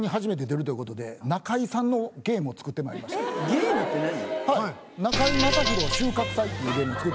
ゲームって何？